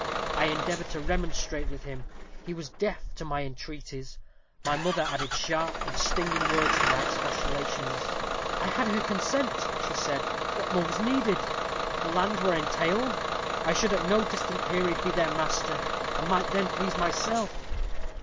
I endeavored to remonstrate with him. He was deaf to my entreaties. My mother added sharp and stinging words to my expostulations. 'I had her consent,' she said; 'what more was needed? The lands were entailed. I should at no distant period be their master, and might then please myself.'